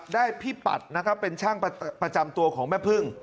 ได้พี่ปัตรเป็นช่างประจำตัวของแม่พึ่ง